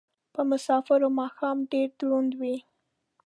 په مسافرو ماښام ډېر دروند وي